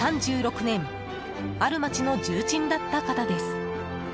３６年ある街の重鎮だった方です。